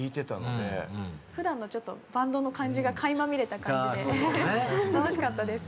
普段のちょっとバンドの感じが垣間見れた感じで楽しかったです。